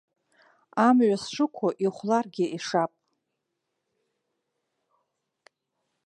Амҩа сшықәу ихәларгьы ишап.